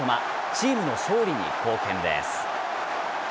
チームの勝利に貢献です。